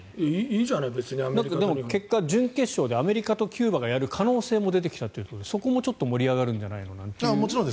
結果、準決勝でアメリカとキューバがやる可能性が出てきてそこもちょっと盛り上がるんじゃないのと。